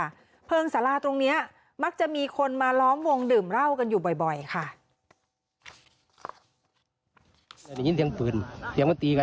เพลิงสาราตรงนี้มักจะมีคนมาล้อมวงดื่มเหล้ากันอยู่บ่อยค่ะ